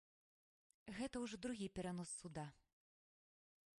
Гэта ўжо другі перанос суда.